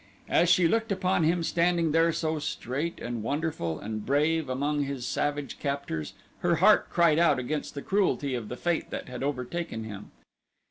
As she looked upon him standing there so straight and wonderful and brave among his savage captors her heart cried out against the cruelty of the fate that had overtaken him.